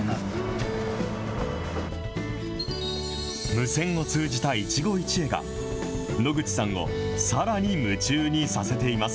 無線を通じた一期一会が、野口さんをさらに夢中にさせています。